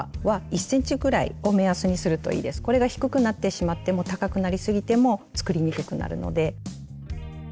これが低くなってしまっても高くなりすぎても作りにくくなるので。